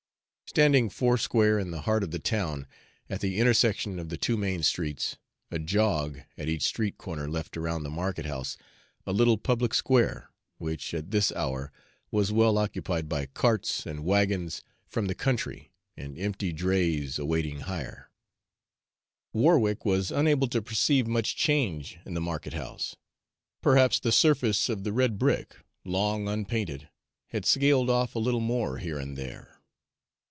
Standing foursquare in the heart of the town, at the intersection of the two main streets, a "jog" at each street corner left around the market house a little public square, which at this hour was well occupied by carts and wagons from the country and empty drays awaiting hire. Warwick was unable to perceive much change in the market house. Perhaps the surface of the red brick, long unpainted, had scaled off a little more here and there.